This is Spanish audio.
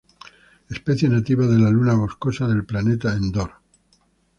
Especie nativa de la luna boscosa del planeta Endor.